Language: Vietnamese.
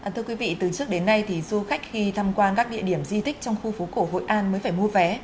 thưa quý vị từ trước đến nay thì du khách khi tham quan các địa điểm di tích trong khu phố cổ hội an mới phải mua vé